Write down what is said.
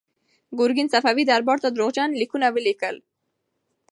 ګورګین صفوي دربار ته درواغجن لیکونه ولیکل.